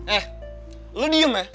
eh lu diem ya